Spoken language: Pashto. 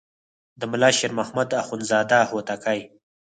د ملا شیر محمد اخوندزاده هوتکی.